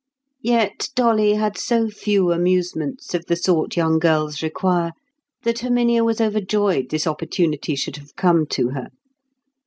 Yet Dolly had so few amusements of the sort young girls require that Herminia was overjoyed this opportunity should have come to her.